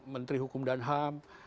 menteri hukum dan ham